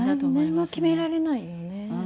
なんにも決められないよね。